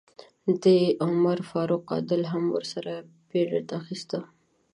د عمر فاروق عادل هم ورسره پیرډ اخیسته.